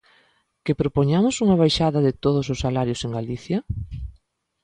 ¿Que propoñamos unha baixada de todos os salarios en Galicia?